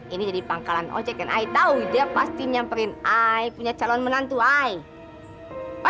ini jadi pangkalan ojek dan saya tahu dia pasti menyamperin saya punya calon menantu saya